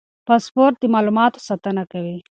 پاسورډ د معلوماتو ساتنه کوي.